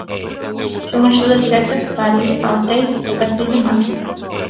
Son axudas directas para ir a hoteis a partir de marzo.